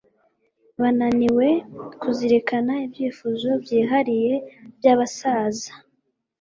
bananiwe kuzirikana ibyifuzo byihariye byabasaza